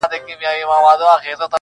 لوی څښتن مي دی د رزق پوروړی,